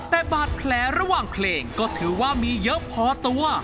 แต่บาดแผลระหว่างเพลงก็ถือว่ามีเยอะพอตัว